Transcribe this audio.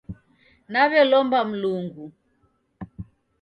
Naw'elomba Mlungu.